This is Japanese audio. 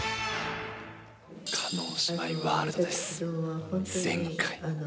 叶姉妹ワールドです。